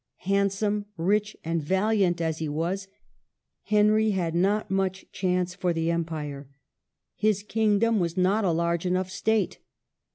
Handsome, rich, and valiant as he was, Henry had not much chance for the Empire. His kingdom was not a large enough state.